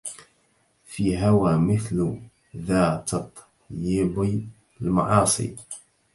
في هوى مثل ذا تطيب المعاصي